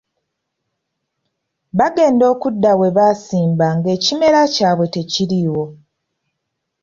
Baagenda okudda we baasimba ng'ekimera kyabwe tekiriiwo.